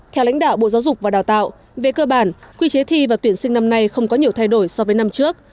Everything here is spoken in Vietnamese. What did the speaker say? theo lãnh đạo bộ giáo dục và đào tạo về cơ bản quy chế thi và tuyển sinh năm nay không có nhiều thay đổi so với năm trước